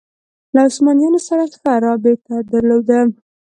له عثمانیانو سره ښه رابطه درلوده